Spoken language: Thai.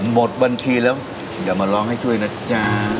หมดบัญชีแล้วอย่ามาร้องให้ช่วยนะจ๊ะ